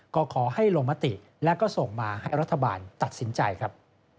ก็ขอให้ลงมติและก็ส่งมาให้รัฐบาลตัดสินใจครับ